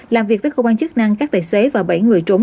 làm việc với cơ quan chức năng các tài xế và bảy người trốn